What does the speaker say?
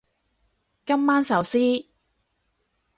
今晚壽司